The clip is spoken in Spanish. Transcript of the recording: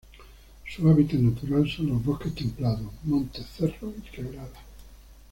Su hábitat natural son los bosques templados, montes, cerros y quebradas.